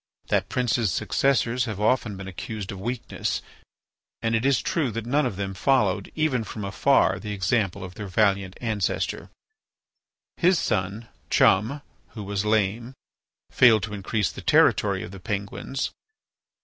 That prince's successors have often been accused of weakness, and it is true that none of them followed, even from afar, the example of their valiant ancestor. His son, Chum, who was lame, failed to increase the territory of the Penguins.